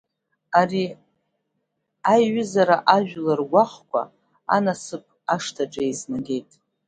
Ари аиҩызара ажәлар гәаҟқәа Анасыԥ ашҭаҿ еизнагеит.